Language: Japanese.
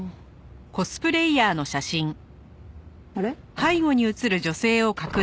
あれ？